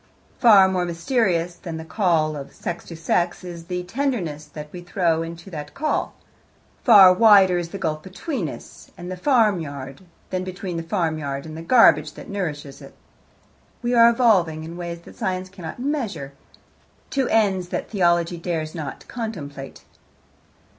Far more mysterious than the call of sex to sex is the tenderness that we throw into that call; far wider is the gulf between us and the farmyard than between the farm yard and the garbage that nourishes it. We are evolving, in ways that Science cannot measure, to ends that Theology dares not contemplate.